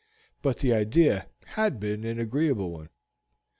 But the idea had been an agreeable one.